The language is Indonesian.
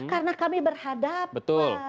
karena kami berhadapan